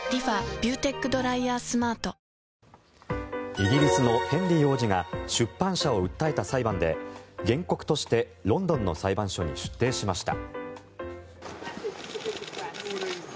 イギリスのヘンリー王子が出版社を訴えた裁判で原告としてロンドンの裁判所に出廷しました。